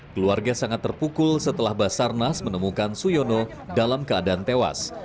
keluarga sangat terpukul setelah basarnas menemukan suyono dalam keadaan tewas